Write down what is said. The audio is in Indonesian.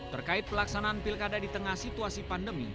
terkait pelaksanaan pilkada di tengah situasi pandemi